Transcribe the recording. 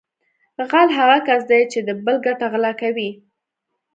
غل هغه کس دی چې د بل ګټه غلا کوي